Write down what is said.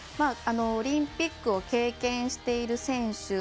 オリンピックを経験している選手